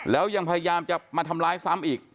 แล้วยังพยายามจะมาทำร้ายซ้ำอีก